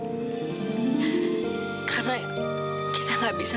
sudahi saya adalah wie het hingga hajat